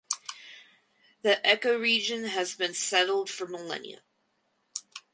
The ecoregion has been settled for millennia.